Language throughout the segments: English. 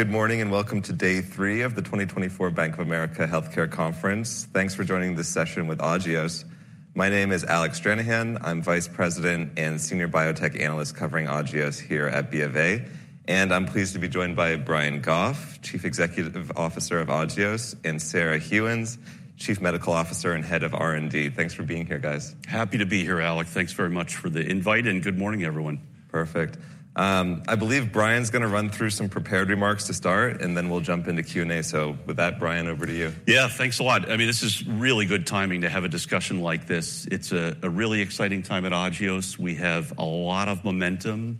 Good morning, and welcome to day three of the 2024 Bank of America Healthcare Conference. Thanks for joining this session with Agios. My name is Alec Stranahan. I'm Vice President and Senior Biotech Analyst covering Agios here at BofA. And I'm pleased to be joined by Brian Goff, Chief Executive Officer of Agios, and Sarah Gheuens, Chief Medical Officer and Head of R&D. Thanks for being here, guys. Happy to be here, Alec. Thanks very much for the invite, and good morning, everyone. Perfect. I believe Brian's going to run through some prepared remarks to start, and then we'll jump into Q&A. So with that, Brian, over to you. Yeah, thanks a lot. I mean, this is really good timing to have a discussion like this. It's a really exciting time at Agios. We have a lot of momentum,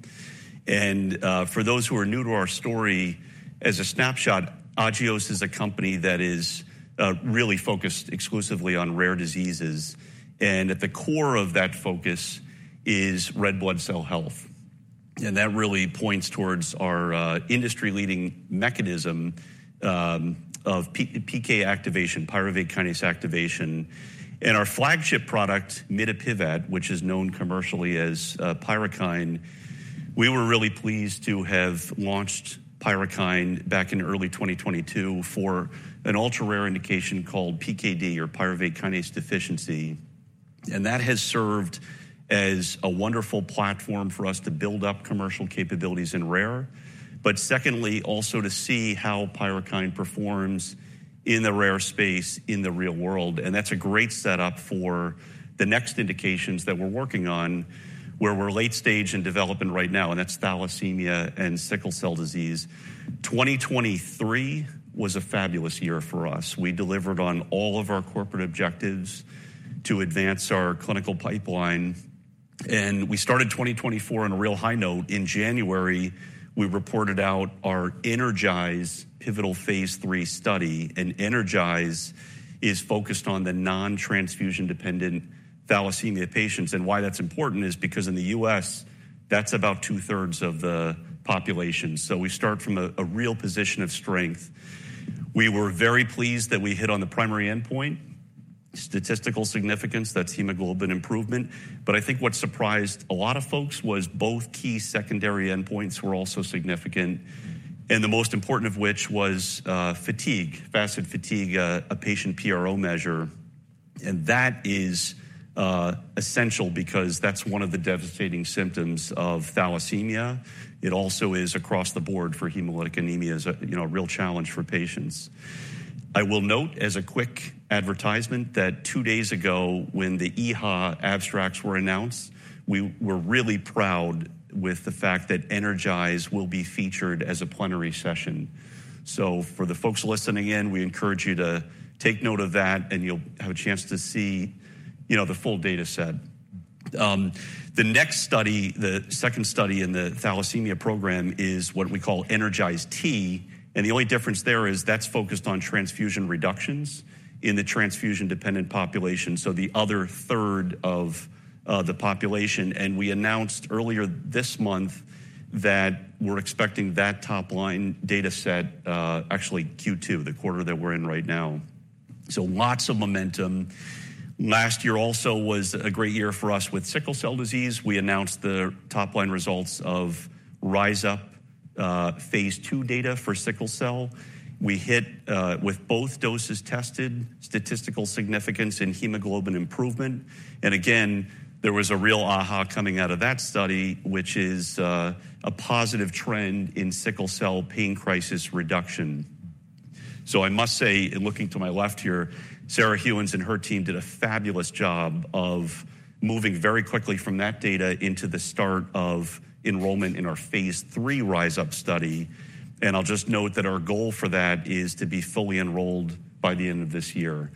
and for those who are new to our story, as a snapshot, Agios is a company that is really focused exclusively on rare diseases, and at the core of that focus is red blood cell health. And that really points towards our industry-leading mechanism of PK activation, pyruvate kinase activation. And our flagship product, mitapivat, which is known commercially as PYRUKYND. We were really pleased to have launched PYRUKYND back in early 2022 for an ultra-rare indication called PKD or pyruvate kinase deficiency. And that has served as a wonderful platform for us to build up commercial capabilities in rare, but secondly, also to see how PYRUKYND performs in the rare space in the real world. And that's a great setup for the next indications that we're working on, where we're late stage in development right now, and that's thalassemia and sickle cell disease. 2023 was a fabulous year for us. We delivered on all of our corporate objectives to advance our clinical pipeline, and we started 2024 on a real high note. In January, we reported out our ENERGIZE pivotal phase III study, and ENERGIZE is focused on the non-transfusion-dependent thalassemia patients. And why that's important is because in the U.S., that's about two-thirds of the population. So we start from a real position of strength. We were very pleased that we hit on the primary endpoint, statistical significance, that's hemoglobin improvement. But I think what surprised a lot of folks was both key secondary endpoints were also significant, and the most important of which was, fatigue, FACIT-Fatigue, a patient PRO measure. And that is, essential because that's one of the devastating symptoms of thalassemia. It also is across the board for hemolytic anemia, is a, you know, a real challenge for patients. I will note as a quick advertisement that two days ago, when the EHA abstracts were announced, we were really proud with the fact that ENERGIZE will be featured as a plenary session. So for the folks listening in, we encourage you to take note of that, and you'll have a chance to see, you know, the full data set. The next study, the second study in the thalassemia program, is what we call ENERGIZE-T, and the only difference there is that's focused on transfusion reductions in the transfusion-dependent population, so the other third of the population. We announced earlier this month that we're expecting that top-line data set, actually Q2, the quarter that we're in right now. Lots of momentum. Last year also was a great year for us with sickle cell disease. We announced the top-line results of RISE UP, phase II data for sickle cell. We hit with both doses tested, statistical significance in hemoglobin improvement. Again, there was a real aha coming out of that study, which is a positive trend in sickle cell pain crisis reduction. So I must say, in looking to my left here, Sarah Gheuens and her team did a fabulous job of moving very quickly from that data into the start of enrollment in our phase III RISE UP study. I'll just note that our goal for that is to be fully enrolled by the end of this year.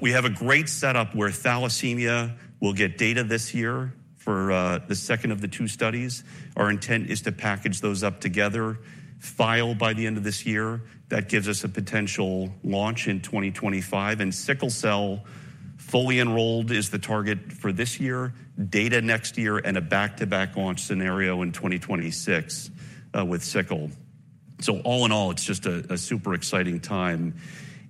We have a great setup where thalassemia will get data this year for the second of the two studies. Our intent is to package those up together, file by the end of this year. That gives us a potential launch in 2025. Sickle cell, fully enrolled, is the target for this year, data next year, and a back-to-back launch scenario in 2026 with sickle. All in all, it's just a super exciting time.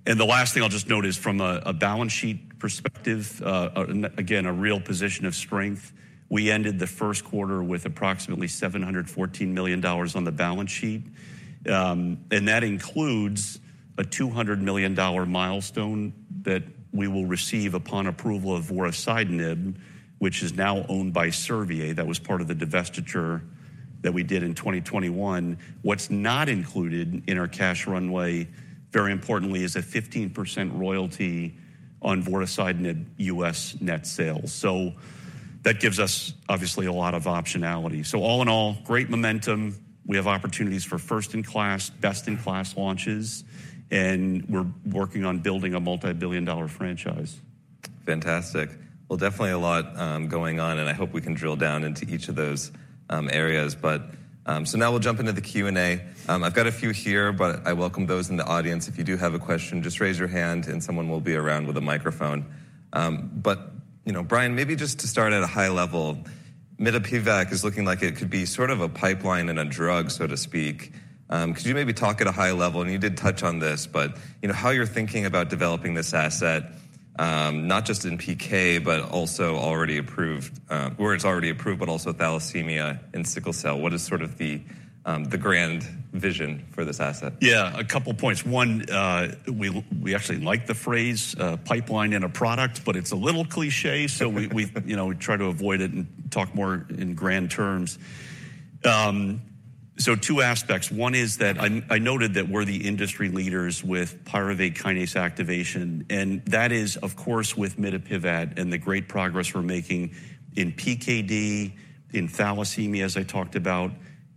The last thing I'll just note is from a balance sheet perspective, and again, a real position of strength, we ended the first quarter with approximately $714 million on the balance sheet. And that includes a $200 million milestone that we will receive upon approval of vorasidenib, which is now owned by Servier. That was part of the divestiture that we did in 2021. What's not included in our cash runway, very importantly, is a 15% royalty on vorasidenib U.S. net sales. So that gives us, obviously, a lot of optionality. So all in all, great momentum. We have opportunities for first-in-class, best-in-class launches, and we're working on building a multi-billion dollar franchise. Fantastic. Well, definitely a lot going on, and I hope we can drill down into each of those areas. So now we'll jump into the Q&A. I've got a few here, but I welcome those in the audience. If you do have a question, just raise your hand, and someone will be around with a microphone. But, you know, Brian, maybe just to start at a high level, mitapivat is looking like it could be sort of a pipeline and a drug, so to speak. Could you maybe talk at a high level, and you did touch on this, but you know, how you're thinking about developing this asset?... not just in PK, but also already approved, where it's already approved, but also thalassemia and sickle cell. What is sort of the the grand vision for this asset? Yeah, a couple points. One, we actually like the phrase, "pipeline and a product," but it's a little cliché, so we, you know, we try to avoid it and talk more in grand terms. So two aspects. One is that I noted that we're the industry leaders with pyruvate kinase activation, and that is, of course, with mitapivat and the great progress we're making in PKD, in thalassemia, as I talked about,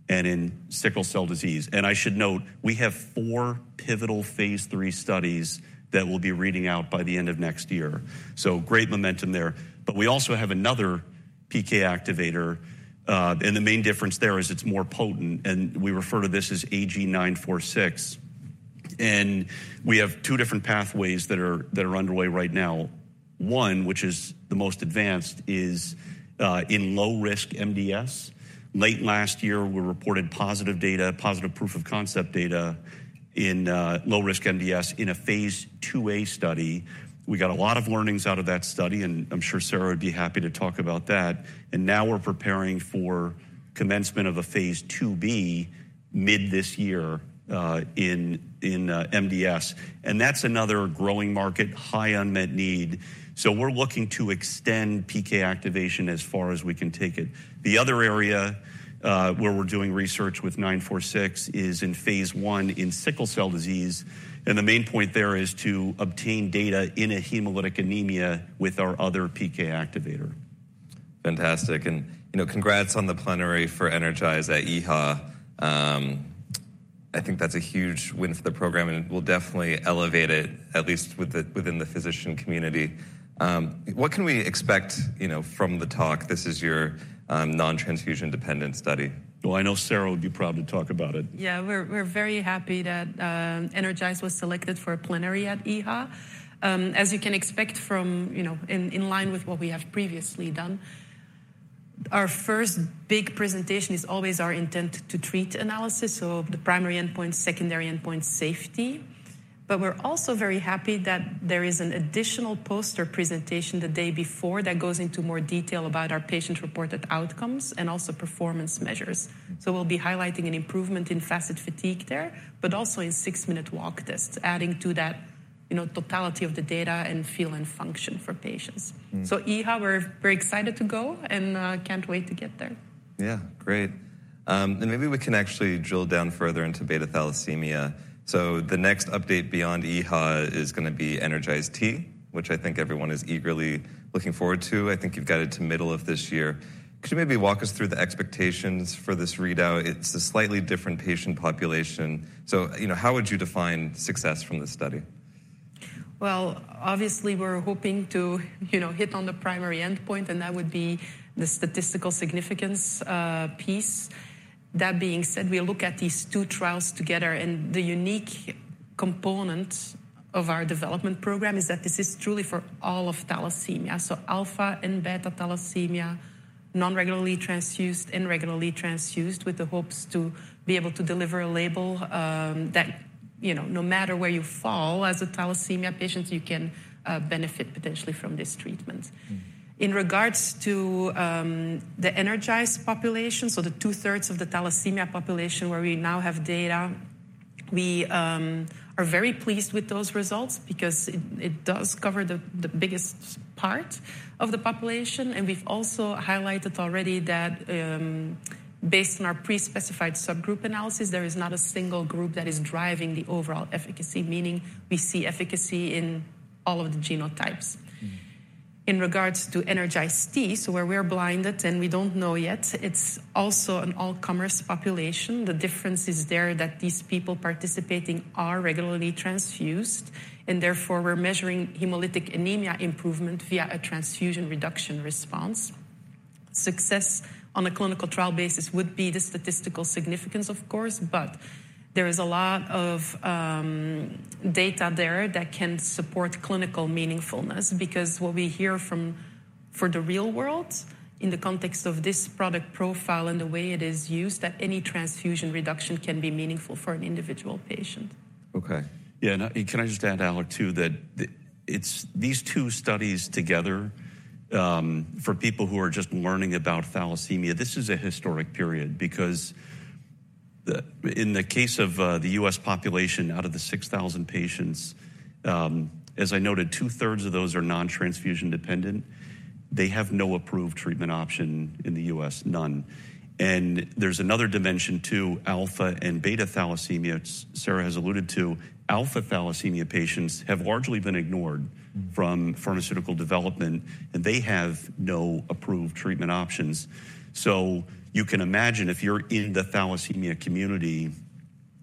and in sickle cell disease. And I should note, we have four pivotal phase 3 studies that we'll be reading out by the end of next year. So great momentum there, but we also have another PK activator. And the main difference there is it's more potent, and we refer to this as AG-946. And we have two different pathways that are underway right now. One, which is the most advanced, is in low-risk MDS. Late last year, we reported positive data, positive proof-of-concept data in low-risk MDS in a phase 2a study. We got a lot of learnings out of that study, and I'm sure Sarah would be happy to talk about that. And now we're preparing for commencement of a phase 2b mid this year in MDS. And that's another growing market, high unmet need. So we're looking to extend PK activation as far as we can take it. The other area where we're doing research with 946 is in phase 1 in sickle cell disease, and the main point there is to obtain data in a hemolytic anemia with our other PK activator. Fantastic. You know, congrats on the plenary for ENERGIZE at EHA. I think that's a huge win for the program, and it will definitely elevate it, at least within the physician community. What can we expect, you know, from the talk? This is your non-transfusion-dependent study. Well, I know Sarah would be proud to talk about it. Yeah, we're very happy that ENERGIZE was selected for a plenary at EHA. As you can expect from, you know, in line with what we have previously done, our first big presentation is always our intent-to-treat analysis, so the primary endpoint, secondary endpoint, safety. But we're also very happy that there is an additional poster presentation the day before that goes into more detail about our patient-reported outcomes and also performance measures. Mm-hmm. So we'll be highlighting an improvement in facet fatigue there, but also in 6-minute walk tests, adding to that, you know, totality of the data and feel and function for patients. Mm. So EHA, we're very excited to go and can't wait to get there. Yeah. Great. And maybe we can actually drill down further into beta thalassemia. So the next update beyond EHA is gonna be ENERGIZE-T, which I think everyone is eagerly looking forward to. I think you've got it to middle of this year. Could you maybe walk us through the expectations for this readout? It's a slightly different patient population. So, you know, how would you define success from this study? Well, obviously, we're hoping to, you know, hit on the primary endpoint, and that would be the statistical significance piece. That being said, we look at these two trials together, and the unique component of our development program is that this is truly for all of thalassemia. So alpha and beta thalassemia, non-regularly transfused and regularly transfused, with the hopes to be able to deliver a label that, you know, no matter where you fall as a thalassemia patient, you can benefit potentially from this treatment. Mm-hmm. In regards to the ENERGIZE population, so the two-thirds of the thalassemia population where we now have data, we are very pleased with those results because it does cover the biggest part of the population, and we've also highlighted already that based on our pre-specified subgroup analysis, there is not a single group that is driving the overall efficacy, meaning we see efficacy in all of the genotypes. Mm-hmm. In regards to ENERGIZE-T, so where we're blinded, and we don't know yet, it's also an all-comers population. The difference is there that these people participating are regularly transfused, and therefore, we're measuring hemolytic anemia improvement via a transfusion reduction response. Success on a clinical trial basis would be the statistical significance, of course, but there is a lot of data there that can support clinical meaningfulness because what we hear from... for the real world, in the context of this product profile and the way it is used, that any transfusion reduction can be meaningful for an individual patient. Okay. Yeah, and can I just add, Alec, too, that it's these two studies together, for people who are just learning about thalassemia, this is a historic period because the, in the case of, the U.S. population, out of the 6,000 patients, as I noted, two-thirds of those are non-transfusion dependent. They have no approved treatment option in the U.S., none. And there's another dimension to alpha and beta thalassemia. Sarah has alluded to alpha thalassemia patients have largely been ignored- Mm-hmm. - from pharmaceutical development, and they have no approved treatment options. So you can imagine if you're in the thalassemia community,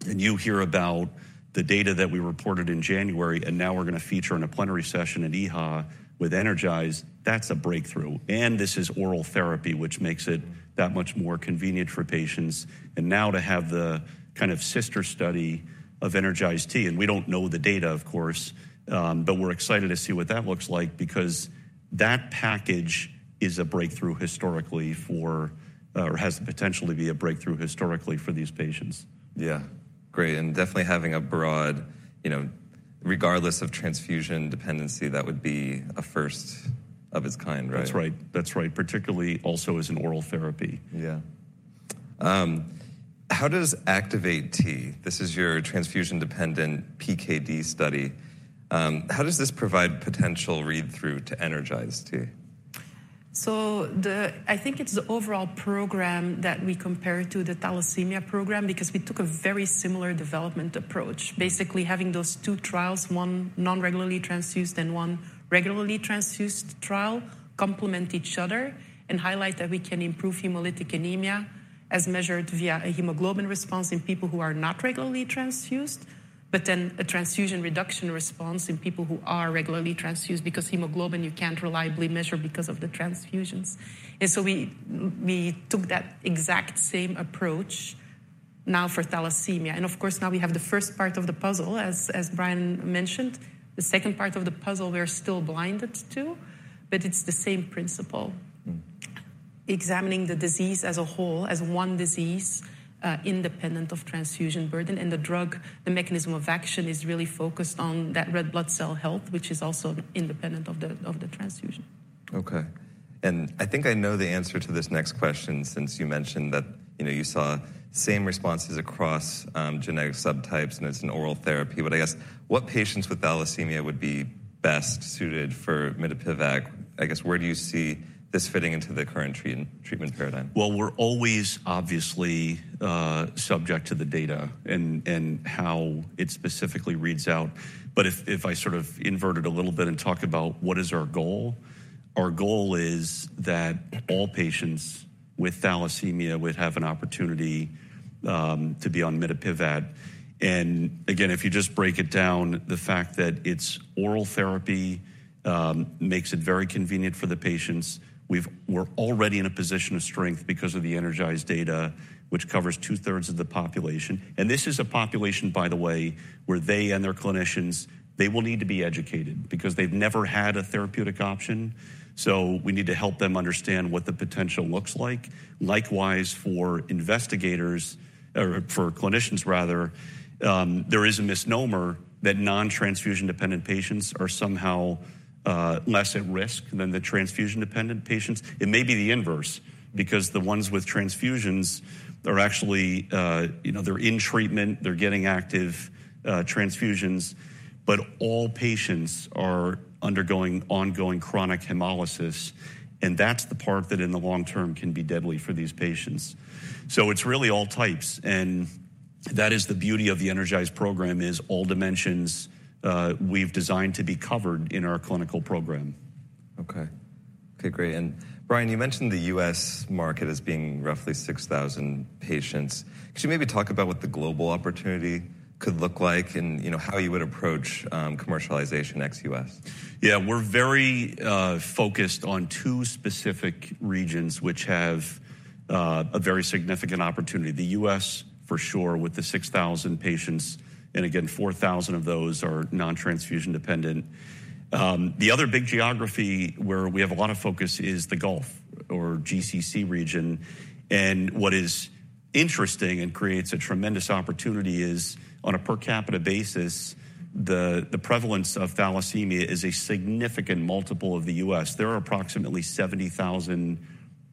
and you hear about the data that we reported in January, and now we're gonna feature in a plenary session at EHA with ENERGIZE, that's a breakthrough. This is oral therapy, which makes it- Mm. - that much more convenient for patients. And now to have the kind of sister study of ENERGIZE-T, and we don't know the data, of course, but we're excited to see what that looks like because that package is a breakthrough historically for... or has the potential to be a breakthrough historically for these patients. Yeah. Great, and definitely having a broad, you know, regardless of transfusion dependency, that would be a first of its kind, right? That's right. That's right. Particularly also as an oral therapy. Yeah. How does ACTIVATE-T, this is your transfusion-dependent PKD study, how does this provide potential read-through to ENERGIZE-T? So, I think it's the overall program that we compare to the thalassemia program because we took a very similar development approach. Basically, having those two trials, one non-regularly transfused and one regularly transfused trial, complement each other and highlight that we can improve hemolytic anemia as measured via a hemoglobin response in people who are not regularly transfused, but then a transfusion reduction response in people who are regularly transfused. Because hemoglobin, you can't reliably measure because of the transfusions. And so we, we took that exact same approach now for thalassemia. And of course, now we have the first part of the puzzle, as, as Brian mentioned. The second part of the puzzle, we are still blinded to, but it's the same principle. Mm-hmm. Examining the disease as a whole, as one disease, independent of transfusion burden. The drug, the mechanism of action, is really focused on that red blood cell health, which is also independent of the, of the transfusion. Okay. And I think I know the answer to this next question, since you mentioned that, you know, you saw same responses across genetic subtypes, and it's an oral therapy. But I guess, what patients with thalassemia would be best suited for mitapivat? I guess, where do you see this fitting into the current treatment paradigm? Well, we're always obviously subject to the data and how it specifically reads out. But if I sort of invert it a little bit and talk about what is our goal, our goal is that all patients with thalassemia would have an opportunity to be on mitapivat. And again, if you just break it down, the fact that it's oral therapy makes it very convenient for the patients. We're already in a position of strength because of the ENERGIZE data, which covers two-thirds of the population. And this is a population, by the way, where they and their clinicians, they will need to be educated because they've never had a therapeutic option, so we need to help them understand what the potential looks like. Likewise, for investigators or for clinicians rather, there is a misnomer that non-transfusion dependent patients are somehow less at risk than the transfusion-dependent patients. It may be the inverse, because the ones with transfusions are actually, you know, they're in treatment, they're getting active transfusions, but all patients are undergoing ongoing chronic hemolysis, and that's the part that, in the long term, can be deadly for these patients. So it's really all types, and that is the beauty of the ENERGIZE program, is all dimensions we've designed to be covered in our clinical program. Okay. Okay, great. And Brian, you mentioned the US market as being roughly 6,000 patients. Could you maybe talk about what the global opportunity could look like and, you know, how you would approach commercialization ex-US? Yeah, we're very focused on two specific regions which have a very significant opportunity. The U.S., for sure, with the 6,000 patients, and again, 4,000 of those are non-transfusion dependent. The other big geography where we have a lot of focus is the Gulf or GCC region. And what is interesting and creates a tremendous opportunity is, on a per capita basis, the prevalence of thalassemia is a significant multiple of the U.S. There are approximately 70,000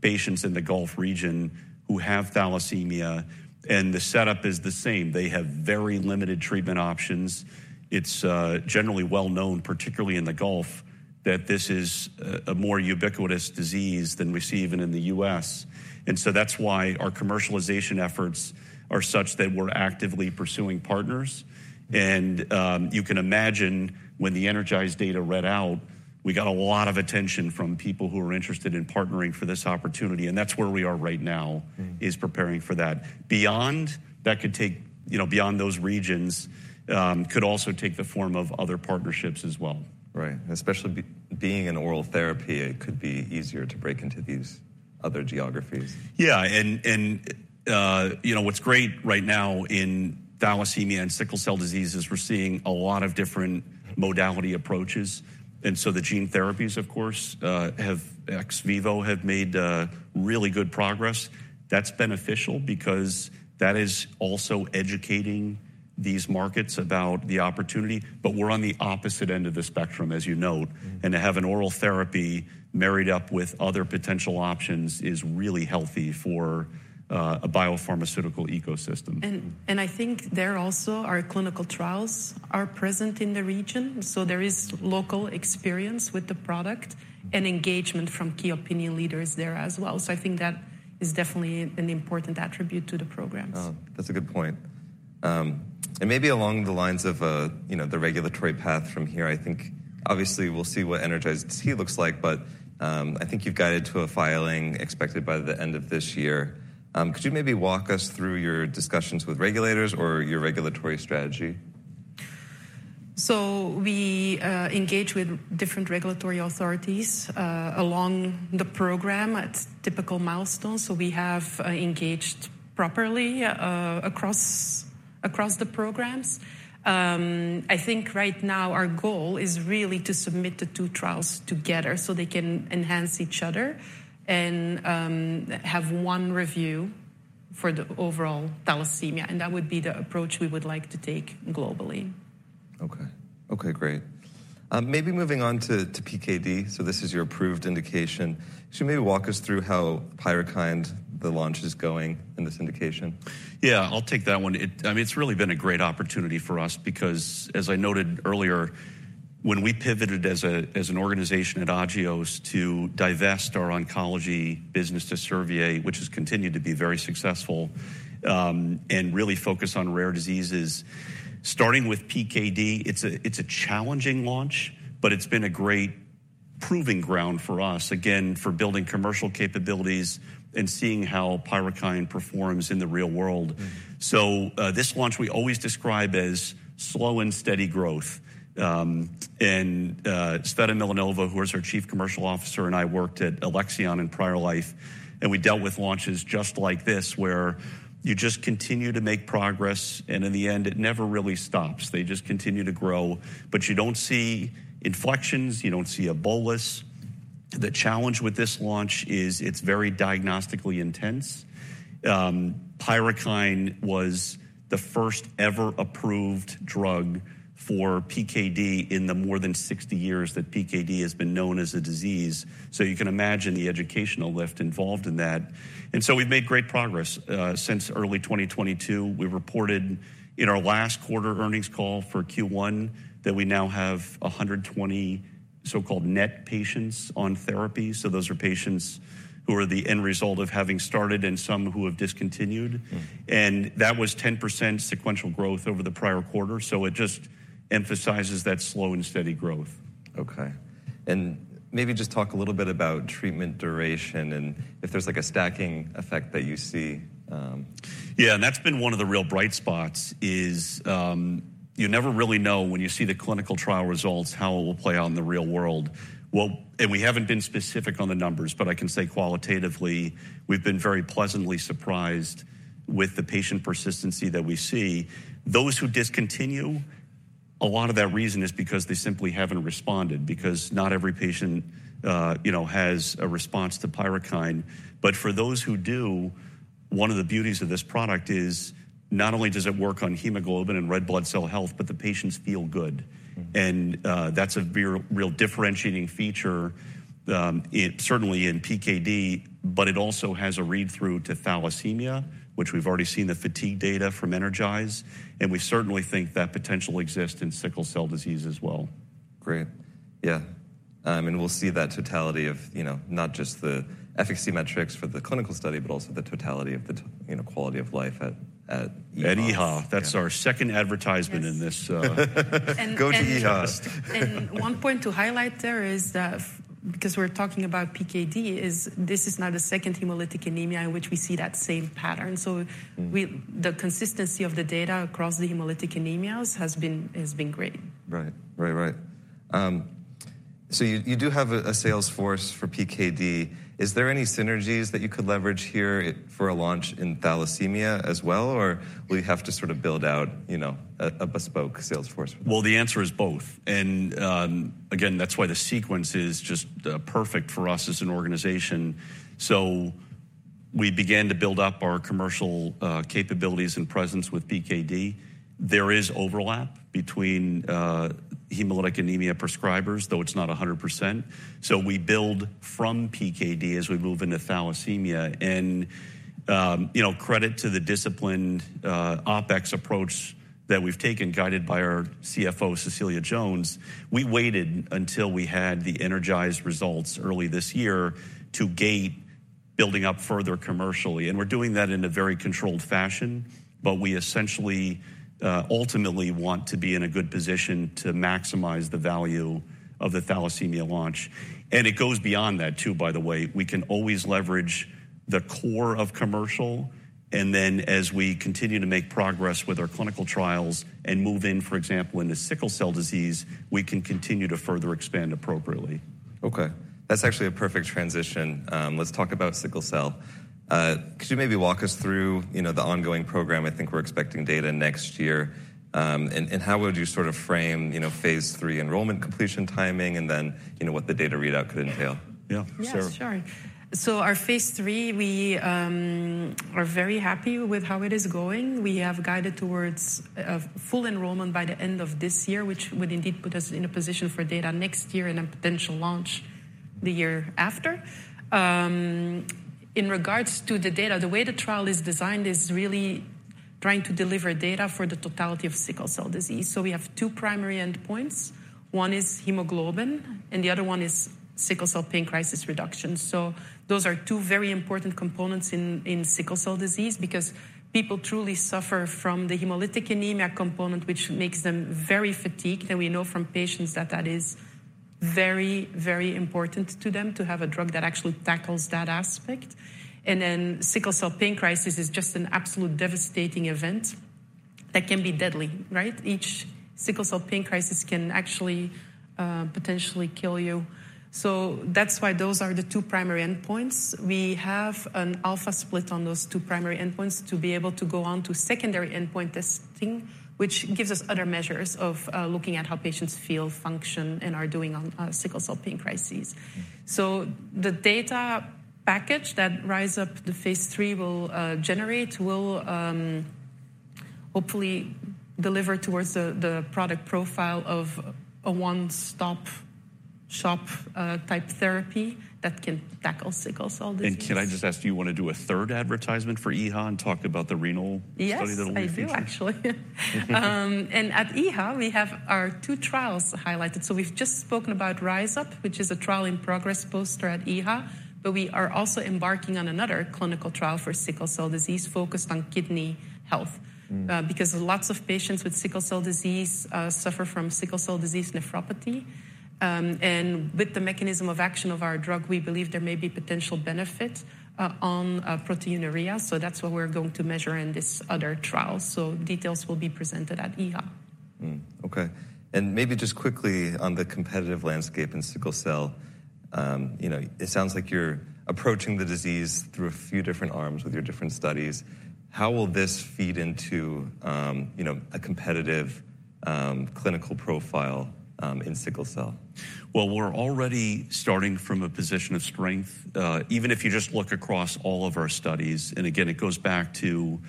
patients in the Gulf region who have thalassemia, and the setup is the same. They have very limited treatment options. It's generally well known, particularly in the Gulf, that this is a more ubiquitous disease than we see even in the U.S. And so that's why our commercialization efforts are such that we're actively pursuing partners. You can imagine when the ENERGIZE data read out, we got a lot of attention from people who are interested in partnering for this opportunity, and that's where we are right now. Mm-hmm. is preparing for that. Beyond that could take, you know, beyond those regions, could also take the form of other partnerships as well. Right. Especially being an oral therapy, it could be easier to break into these other geographies. Yeah, and you know, what's great right now in thalassemia and sickle cell disease is we're seeing a lot of different modality approaches. And so the gene therapies, of course, have ex vivo, have made really good progress. That's beneficial because that is also educating these markets about the opportunity. But we're on the opposite end of the spectrum, as you note. Mm-hmm. To have an oral therapy married up with other potential options is really healthy for a biopharmaceutical ecosystem. I think there also our clinical trials are present in the region, so there is local experience with the product and engagement from key opinion leaders there as well. I think that is definitely an important attribute to the programs. Oh, that's a good point. And maybe along the lines of, you know, the regulatory path from here, I think obviously we'll see what ENERGIZE-T looks like, but, I think you've guided to a filing expected by the end of this year. Could you maybe walk us through your discussions with regulators or your regulatory strategy? We engage with different regulatory authorities along the program at typical milestones. We have engaged properly across the programs. I think right now our goal is really to submit the two trials together so they can enhance each other and have one review for the overall thalassemia, and that would be the approach we would like to take globally. Okay. Okay, great. Maybe moving on to PKD. So this is your approved indication. So maybe walk us through how PYRUKYND, the launch is going in this indication. Yeah, I'll take that one. I mean, it's really been a great opportunity for us because, as I noted earlier, when we pivoted as an organization at Agios to divest our oncology business to Servier, which has continued to be very successful, and really focus on rare diseases, starting with PKD, it's a challenging launch, but it's been a great proving ground for us, again, for building commercial capabilities and seeing how PYRUKYND performs in the real world. Mm-hmm. So, this launch we always describe as slow and steady growth. And Tsveta Milanova, who is our Chief Commercial Officer, and I worked at Alexion in prior life, and we dealt with launches just like this, where you just continue to make progress, and in the end, it never really stops. They just continue to grow. But you don't see inflections, you don't see a bolus. The challenge with this launch is it's very diagnostically intense. PYRUKYND was the first ever approved drug for PKD in the more than 60 years that PKD has been known as a disease. So you can imagine the educational lift involved in that. And so we've made great progress since early 2022. We reported in our last quarter earnings call for Q1 that we now have 120 so-called net patients on therapy. Those are patients who are the end result of having started and some who have discontinued. Mm-hmm. That was 10% sequential growth over the prior quarter. It just emphasizes that slow and steady growth. Okay. Maybe just talk a little bit about treatment duration and if there's, like, a stacking effect that you see. Yeah, and that's been one of the real bright spots, is, you never really know when you see the clinical trial results, how it will play out in the real world. Well, and we haven't been specific on the numbers, but I can say qualitatively, we've been very pleasantly surprised with the patient persistency that we see. Those who discontinue, a lot of that reason is because they simply haven't responded, because not every patient, you know, has a response to PYRUKYND. But for those who do, one of the beauties of this product is not only does it work on hemoglobin and red blood cell health, but the patients feel good. Mm-hmm. That's a very real differentiating feature, it certainly in PKD, but it also has a read-through to thalassemia, which we've already seen the fatigue data from ENERGIZE, and we certainly think that potential exists in sickle cell disease as well. Great. Yeah. And we'll see that totality of, you know, not just the efficacy metrics for the clinical study, but also the totality of the, you know, quality of life at EHA. At EHA. Yeah. That's our second advertisement in this... Go to EHA. One point to highlight there is that because we're talking about PKD, this is now the second hemolytic anemia in which we see that same pattern. Mm-hmm. So, the consistency of the data across the hemolytic anemias has been, has been great. Right. Right, right. So you do have a sales force for PKD. Is there any synergies that you could leverage here for a launch in thalassemia as well? Or we have to sort of build out, you know, a bespoke sales force? Well, the answer is both. Again, that's why the sequence is just perfect for us as an organization. So we began to build up our commercial capabilities and presence with PKD. There is overlap between hemolytic anemia prescribers, though it's not 100%. So we build from PKD as we move into thalassemia. And, you know, credit to the disciplined OpEx approach that we've taken, guided by our CFO, Cecilia Jones. We waited until we had the ENERGIZE results early this year to gate building up further commercially, and we're doing that in a very controlled fashion. But we essentially ultimately want to be in a good position to maximize the value of the thalassemia launch. And it goes beyond that, too, by the way. We can always leverage the core of commercial, and then as we continue to make progress with our clinical trials and move in, for example, into sickle cell disease, we can continue to further expand appropriately. Okay, that's actually a perfect transition. Let's talk about sickle cell. Could you maybe walk us through, you know, the ongoing program? I think we're expecting data next year. And how would you sort of frame, you know, phase three enrollment, completion, timing, and then, you know, what the data readout could entail? Yeah, Sara. Yes, sure. So our phase three, we are very happy with how it is going. We have guided towards a full enrollment by the end of this year, which would indeed put us in a position for data next year and a potential launch the year after. In regards to the data, the way the trial is designed is really trying to deliver data for the totality of sickle cell disease. So we have two primary endpoints. One is hemoglobin, and the other one is sickle cell pain crisis reduction. So those are two very important components in sickle cell disease because people truly suffer from the hemolytic anemia component, which makes them very fatigued. And we know from patients that that is very, very important to them to have a drug that actually tackles that aspect. Sickle cell pain crisis is just an absolute devastating event that can be deadly, right? Each sickle cell pain crisis can actually potentially kill you. So that's why those are the two primary endpoints. We have an alpha split on those two primary endpoints to be able to go on to secondary endpoint testing, which gives us other measures of looking at how patients feel, function, and are doing on sickle cell pain crises. So the data package that the RISE UP phase 3 will generate will hopefully deliver towards the, the product profile of a one-stop shop type therapy that can tackle sickle cell disease. Can I just ask, do you want to do a third advertisement for EHA and talk about the renal study that will be featured? Yes, I do, actually. At EHA, we have our two trials highlighted. So we've just spoken about RISE UP, which is a trial in progress poster at EHA, but we are also embarking on another clinical trial for sickle cell disease focused on kidney health. Mm. Because lots of patients with sickle cell disease suffer from sickle cell disease nephropathy. And with the mechanism of action of our drug, we believe there may be potential benefit on proteinuria. So that's what we're going to measure in this other trial. So details will be presented at EHA. Okay, and maybe just quickly on the competitive landscape in sickle cell. You know, it sounds like you're approaching the disease through a few different arms with your different studies. How will this feed into, you know, a competitive, clinical profile, in sickle cell? Well, we're already starting from a position of strength. Even if you just look across all of our studies, and again, it goes back to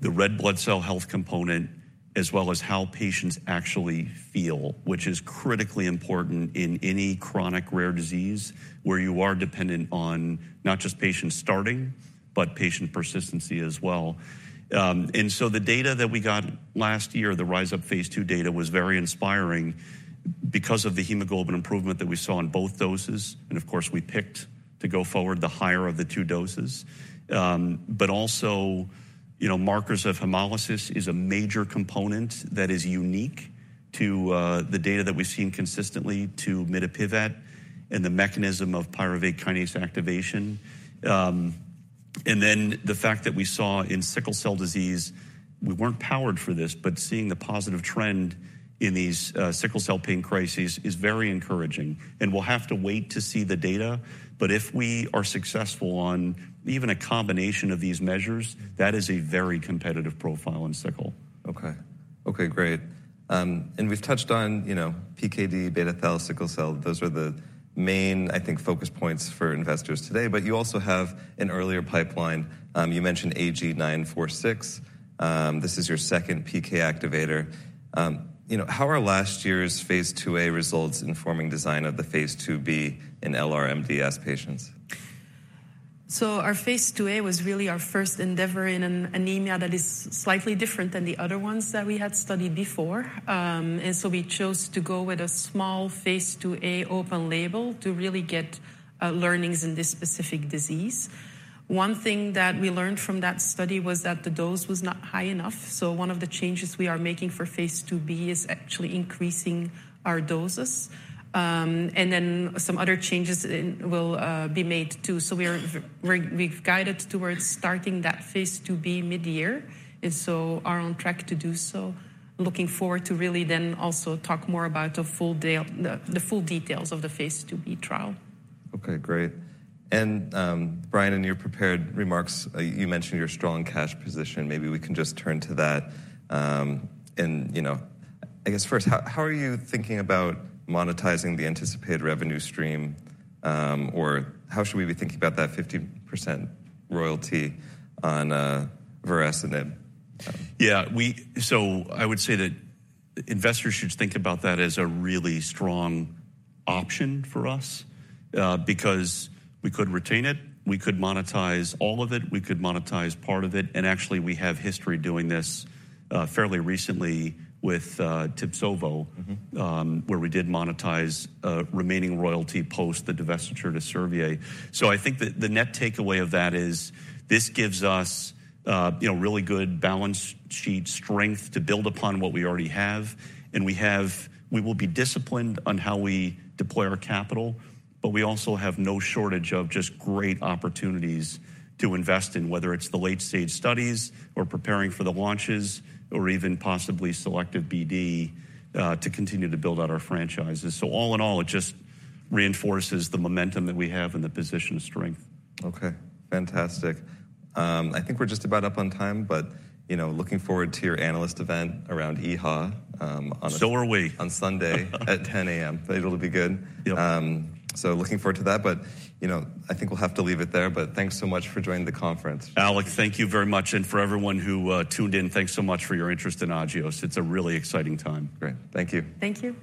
the red blood cell health component, as well as how patients actually feel, which is critically important in any chronic rare disease, where you are dependent on not just patients starting, but patient persistency as well. And so the data that we got last year, the RISE UP phase II data, was very inspiring because of the hemoglobin improvement that we saw in both doses, and of course, we picked to go forward the higher of the two doses. But also, you know, markers of hemolysis is a major component that is unique to the data that we've seen consistently to mitapivat and the mechanism of pyruvate kinase activation. And then the fact that we saw in sickle cell disease, we weren't powered for this, but seeing the positive trend in these sickle cell pain crises is very encouraging, and we'll have to wait to see the data. But if we are successful on even a combination of these measures, that is a very competitive profile in sickle. Okay. Okay, great. And we've touched on, you know, PKD, beta-thal, sickle cell. Those are the main, I think, focus points for investors today. But you also have an earlier pipeline. You mentioned AG946. This is your second PK activator. You know, how are last year's phase IIa results informing design of the phase IIb in LRMDS patients? So our phase IIa was really our first endeavor in an anemia that is slightly different than the other ones that we had studied before. And so we chose to go with a small phase IIa open label to really get learnings in this specific disease. One thing that we learned from that study was that the dose was not high enough. So one of the changes we are making for phase IIb is actually increasing our doses. And then some other changes will be made, too. So we've guided towards starting that phase IIb mid-year, and so are on track to do so. Looking forward to really then also talk more about the full details of the phase IIb trial. Okay, great. And, Brian, in your prepared remarks, you mentioned your strong cash position. Maybe we can just turn to that, and you know. I guess first, how are you thinking about monetizing the anticipated revenue stream? Or how should we be thinking about that 50% royalty on vorasidenib? Yeah. So I would say that investors should think about that as a really strong option for us, because we could retain it, we could monetize all of it, we could monetize part of it, and actually, we have history doing this, fairly recently with Tibsovo. Mm-hmm. Where we did monetize remaining royalty post the divestiture to Servier. So I think the net takeaway of that is, this gives us you know, really good balance sheet strength to build upon what we already have. We will be disciplined on how we deploy our capital, but we also have no shortage of just great opportunities to invest in, whether it's the late-stage studies or preparing for the launches or even possibly selective BD to continue to build out our franchises. So all in all, it just reinforces the momentum that we have and the position of strength. Okay, fantastic. I think we're just about up on time, but you know, looking forward to your analyst event around EHA, on- So are we. On Sunday at 10:00 A.M. I think it'll be good. Yep. So looking forward to that, but, you know, I think we'll have to leave it there. But thanks so much for joining the conference. Alec, thank you very much, and for everyone who tuned in, thanks so much for your interest in Agios. It's a really exciting time. Great. Thank you. Thank you.